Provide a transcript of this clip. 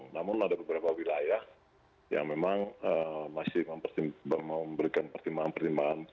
namun ada beberapa wilayah yang memang masih memberikan pertimbangan pertimbangan